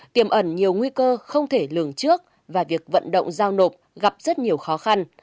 tiềm ẩn nhiều nguy cơ không thể lường trước và việc vận động giao nộp gặp rất nhiều khó khăn